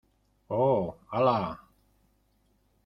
oh... ¡ hala!